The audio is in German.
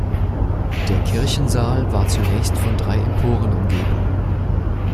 Der Kirchensaal war zunächst von drei Emporen umgeben.